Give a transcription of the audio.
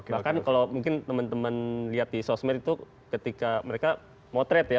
bahkan kalau mungkin teman teman lihat di sosmed itu ketika mereka motret ya